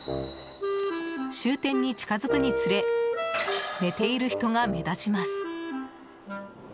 終点に近づくにつれ寝ている人が目立ちます。